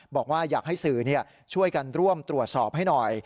บอกว่าอยากให้สื่อช่วยกันร่วมตรวจสอบให้หน่อย